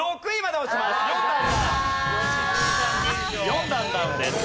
４段ダウンです。